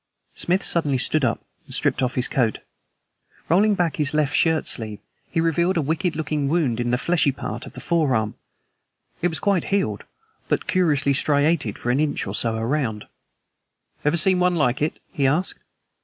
Smith suddenly stood up and stripped off his coat. Rolling back his left shirt sleeve he revealed a wicked looking wound in the fleshy part of the forearm. It was quite healed, but curiously striated for an inch or so around. "Ever seen one like it?" he asked.